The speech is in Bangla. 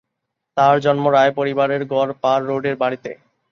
তার জন্ম রায় পরিবারের গড়পাড় রোডের বাড়িতে।